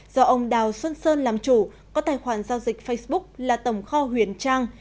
do ông đào xuân sơn làm chủ có tài khoản giao dịch facebook là tổng kho huyền trang